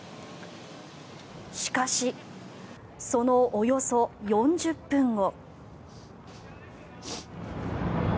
しかし、そのおよそ４０分後。